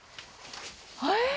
あれ？